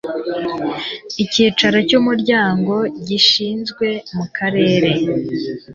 icyicaro cy umuryango gishinzwe mu karere